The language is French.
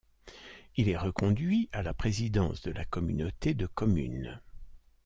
Il est reconduit à la présidence de la communauté de communes.